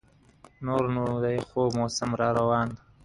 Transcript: A new challenge faced Dyer in Colorado mining towns.